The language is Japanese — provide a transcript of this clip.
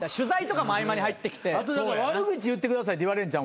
悪口言ってくださいって言われるんちゃう？